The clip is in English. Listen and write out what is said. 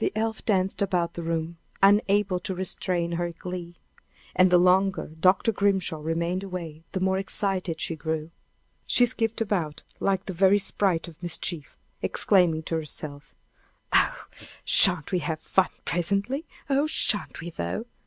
The elf danced about the room, unable to restrain her glee. And the longer Dr. Grimshaw remained away, the more excited she grew. She skipped about like the very sprite of mischief, exclaiming to herself: "Oh, shan't we have fun presently! Oh, shan't we, though!